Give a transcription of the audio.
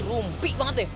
rumpi banget deh